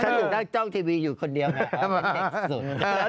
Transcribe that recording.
ฉันอยู่นั่งจ้องทีวีอยู่คนเดียวไง